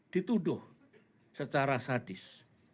dituduh secara sadis